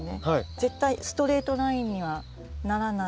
絶対ストレートラインにはならないで。